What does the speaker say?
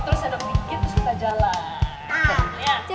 terus ada bikin terus kita jalan